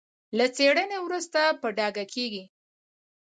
له څېړنې وروسته په ډاګه کېږي.